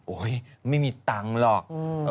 โอ้ยไม่มีตังค์หรอก